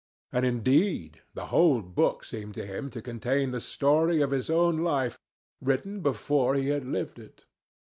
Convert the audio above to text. And, indeed, the whole book seemed to him to contain the story of his own life, written before he had lived it.